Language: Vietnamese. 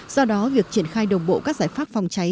do đó việc triển khai đồng bộ các giải pháp phòng cháy